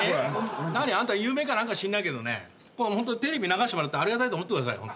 あんた有名か何か知んないけどホントテレビ流してもらってありがたいと思ってください。